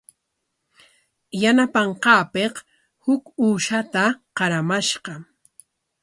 Yanapanqaapik huk uushata qaramashqa.